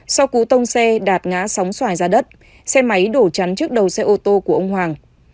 sau cú tông xe đạp ngã sóng xoài ra đất xe máy đổ chắn trước đầu xe ô tô của ông hoàng